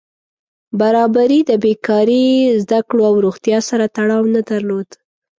برابري د بېکاري، زده کړو او روغتیا سره تړاو نه درلود.